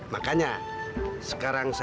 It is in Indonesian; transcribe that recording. makanya sekarang saya pesan